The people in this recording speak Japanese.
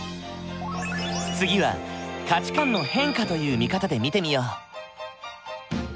次は価値観の変化という見方で見てみよう。